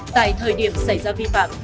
tại thời điểm xảy ra vi phạm